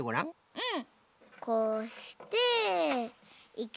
うん。